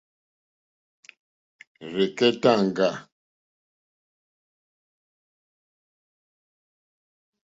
Rzɛ̀kɛ́táŋɡâ.